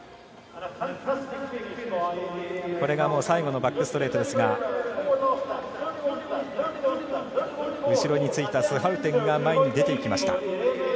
最後のバックストレートですが後ろについたスハウテンが前に出ていきました。